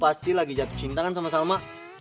pasti lagi jatuh cinta kan sama sama